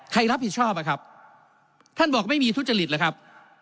ใครรับผิดชอบอ่ะครับท่านบอกไม่มีทุจริตหรือครับ